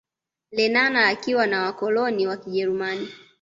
Lenana akiwa na wakoloni wa kijerumani